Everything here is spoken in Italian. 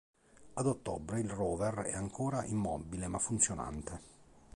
Ad ottobre il rover è ancora immobile ma funzionante.